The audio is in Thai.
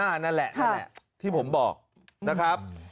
อ้าวนั่นแหละที่ผมบอกนะครับ